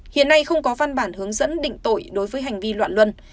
hiện nay không có văn bản hướng dẫn định tội đối với hành vi loạn luân